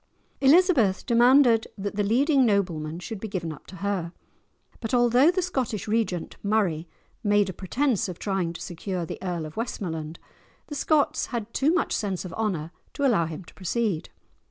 Elizabeth demanded that the leading noblemen should be given up to her; but although the Scottish Regent, Murray, made a pretence of trying to secure the Earl of Westmoreland, the Scots had too much sense of honour to allow him to proceed.